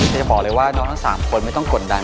จะบอกเลยว่าน้องทั้ง๓คนไม่ต้องกดดัน